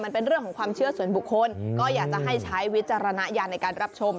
มันเป็นเรื่องของความเชื่อส่วนบุคคลก็อยากจะให้ใช้วิจารณญาณในการรับชม